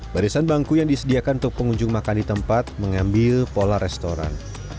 barisan bangku yang disediakan untuk pengunjung makan di tempat mengambil pola restoran